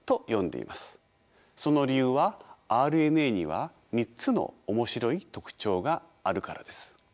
その理由はＲＮＡには３つの面白い特徴があるからです。